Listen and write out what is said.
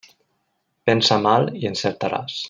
Pensa mal i encertaràs.